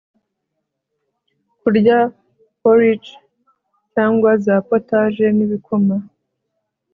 kurya porici cyangwa za potaje nibikoma